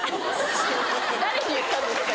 誰に言ったんですか？